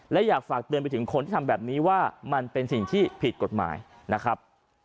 และอยากฝากเตือนไปถึงคนที่ทำแบบนี้ว่ามันเป็นสิ่งที่ผิดกฎหมายนะครับ